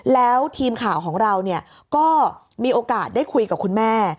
แล้วทีมข่าวของเราก็มีโอกาสได้คุยกับคุณแม่